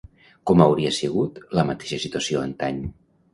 Com hauria sigut la mateixa situació antany?